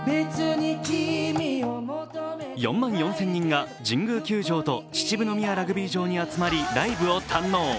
４万４０００人が神宮球場と秩父宮ラグビー場に集まり、ライブを堪能。